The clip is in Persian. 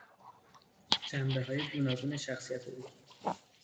جنبههای گوناگون شخصیت او